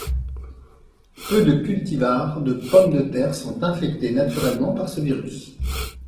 Peu de cultivars de pomme de terre sont infectés naturellement par ce virus.